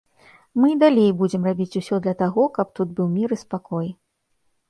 Мы і далей будзем рабіць усё для таго, каб тут быў мір і спакой.